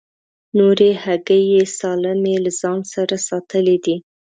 نورې هګۍ یې سالمې له ځان سره ساتلې دي.